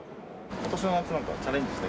今年の夏なんかチャレンジしたい事。